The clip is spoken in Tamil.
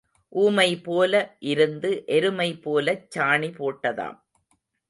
ஊமை போல இருந்து எருமை போலச் சாணி போட்டதாம்.